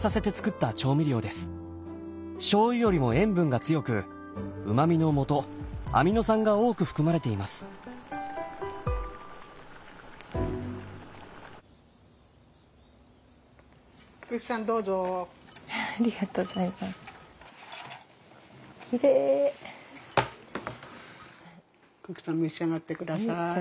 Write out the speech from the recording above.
たくさん召し上がってください。